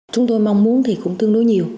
chúng tôi mong muốn thì cũng tương đối nhiều